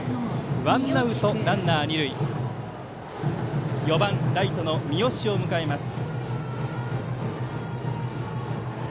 ワンアウトランナー、二塁で４番ライトの三好を迎えます。